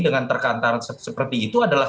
dengan terkantaan seperti itu adalah